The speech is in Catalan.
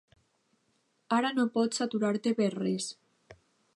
Ara no pots aturar-te per res!